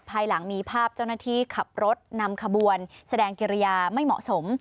ภายหลังมีภาพเจ้าหน้าที่ขับรถนำขบวนแสดงกิริยาไม่เหมาะสม